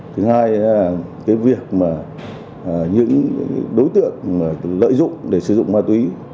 thứ hai là cái việc mà những đối tượng lợi dụng để sử dụng ma túy